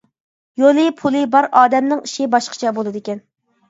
يولى، پۇلى بار ئادەمنىڭ ئىشى باشقىچە بولىدىكەن.